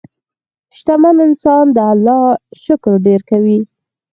شتمن انسان د الله شکر ډېر کوي.